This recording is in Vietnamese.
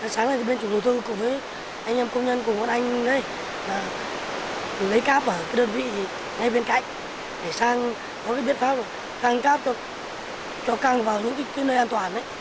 sáng nay bên chủ tổ thương cùng với anh em công nhân cùng con anh lấy cáp ở đơn vị ngay bên cạnh